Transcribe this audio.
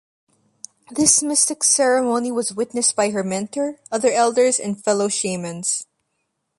This mystic ceremony was witnessed by her mentor, other elders and fellow shamans.